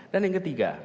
dan yang ketiga